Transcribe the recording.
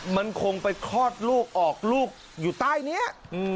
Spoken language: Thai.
มันคงไปคลอดลูกออกลูกอยู่ใต้นี้